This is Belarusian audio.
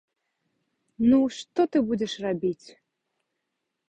Ну, што ты будзеш рабіць!